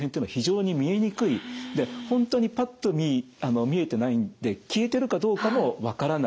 本当にパッと見見えてないんで消えてるかどうかも分からない。